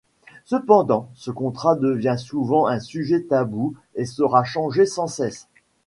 Cependant, ce contrat devient souvent un sujet tabou et sera changé sans cesse.